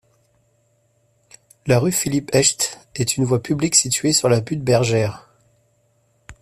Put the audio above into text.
La rue Philippe-Hecht est une voie publique située sur la butte Bergeyre.